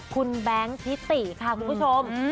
คุณแบงค์ทิติค่ะคุณผู้ชม